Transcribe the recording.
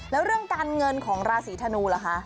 แล้วเรื่องการเงินของราศีธนูล่ะคะ